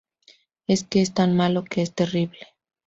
Es que es tan malo que es terrible.